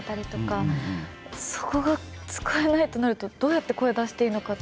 そこが使えないとなるとどうやって声出していいのかって。